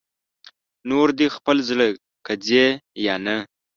نور دې خپل زړه که ځې یا نه